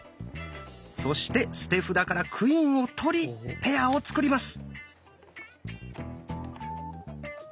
そして捨て札から「クイーン」を取りペアを作ります。